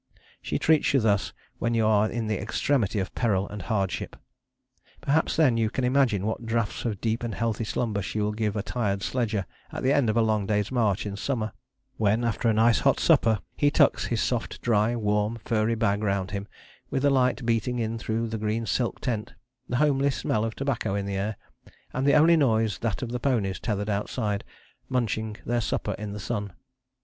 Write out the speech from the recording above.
She treats you thus when you are in the extremity of peril and hardship; perhaps then you can imagine what draughts of deep and healthy slumber she will give a tired sledger at the end of a long day's march in summer, when after a nice hot supper he tucks his soft dry warm furry bag round him with the light beating in through the green silk tent, the homely smell of tobacco in the air, and the only noise that of the ponies tethered outside, munching their supper in the sun.